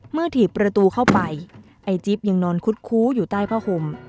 ถีบประตูเข้าไปไอ้จิ๊บยังนอนคุดคู้อยู่ใต้ผ้าห่ม